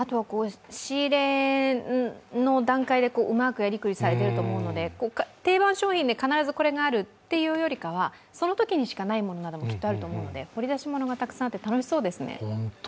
仕入れの段階でうまくやりくりされていると思うので定番商品で必ずこれがあるというよりかはそのときにしかないものなどもきっとあると思うので掘り出し物がたくさんあって楽しそうですね。